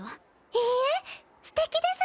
いいえすてきです。